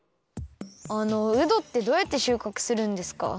あのうどってどうやってしゅうかくするんですか？